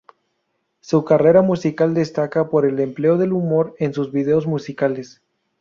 Su carrera musical destaca por el empleo del humor en sus videos musicales.